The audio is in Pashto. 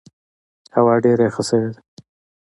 هوا ډېره یخه سوې ده.